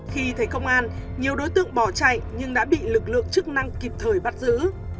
khi thấy công an nhiều đối tượng bỏ chạy nhưng đã bị lực lượng chức năng kịp thời bắt giữ